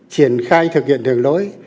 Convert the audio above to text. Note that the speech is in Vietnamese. triển khai thực hiện đường lối